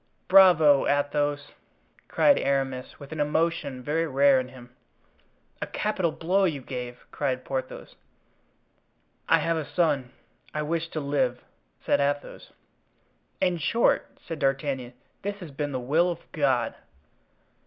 "Bravo! Athos!" cried Aramis, with an emotion very rare in him. "A capital blow you gave!" cried Porthos. "I have a son. I wished to live," said Athos. "In short," said D'Artagnan, "this has been the will of God."